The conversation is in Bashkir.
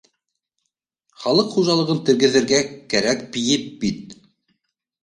Халыҡ хужалығын тергеҙергә кәрәк пие бит